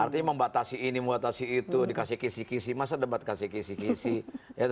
artinya membatasi ini membatasi itu dikasih kisi kisi masa debat kasih kisi kisi